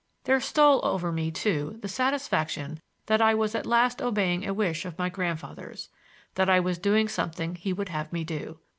There stole over me, too, the satisfaction that I was at last obeying a wish of my grandfather's, that I was doing something he would have me do.